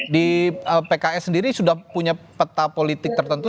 di pks sendiri sudah punya peta politik tertentu